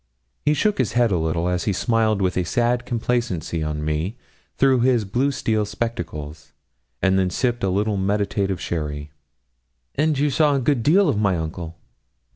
He shook his head a little, as he smiled with a sad complacency on me through his blue steel spectacles, and then sipped a little meditative sherry. 'And you saw a good deal of my uncle?'